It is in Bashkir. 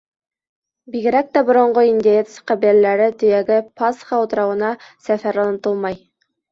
Бигерәк тә боронғо индеец ҡәбиләләре төйәге Пасха утрауына сәфәр онотолмай.